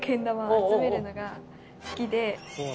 玉集めるのが好きで。